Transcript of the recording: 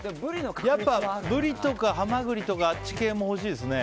やっぱブリとかハマグリとかあっち系も欲しいですね。